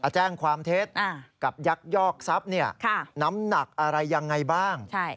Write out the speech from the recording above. แจ้งความเท็จกับยักยอกทรัพย์น้ำหนักอะไรยังไงบ้าง